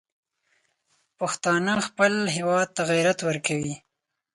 پښتانه خپل هیواد ته عزت ورکوي.